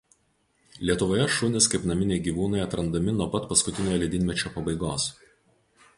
Lietuvoje šunys kaip naminiai gyvūnai atrandami nuo pat paskutiniojo ledynmečio pabaigos.